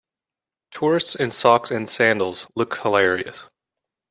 Tourists in socks and sandals look hilarious.